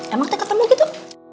emang kita ketemu gitu